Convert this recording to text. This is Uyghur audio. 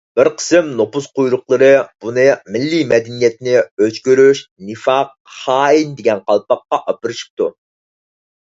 بىر قىسىم نوپۇز قۇيرۇقلىرى بۇنى مىللىي مەدەنىيەتنى ئۆچ كۆرۈش، نىفاق، خائىن دېگەن قالپاققا ئاپىرىشىپتۇ.